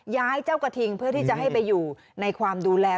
เจ้ากระทิงเพื่อที่จะให้ไปอยู่ในความดูแล